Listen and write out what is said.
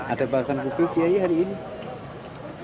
ada bahasan khusus ya hari ini